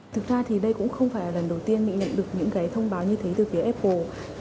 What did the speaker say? thực ra thì đây cũng không phải là lần đầu tiên mình nhận được những cái thông báo như thế từ phía apple